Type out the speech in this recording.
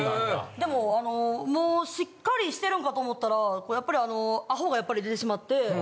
でもあのしっかりしてるんかと思ったらこうやっぱりあのアホがやっぱり出てしまって。